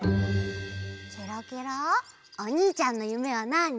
ケロケロおにいちゃんのゆめはなあに？